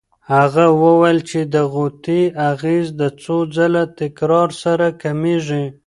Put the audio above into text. هغه وویل چې د غوطې اغېز د څو ځله تکرار سره کمېږي.